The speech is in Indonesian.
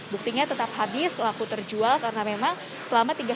buktinya tetap habis laku terjual karena memang selama tiga bulan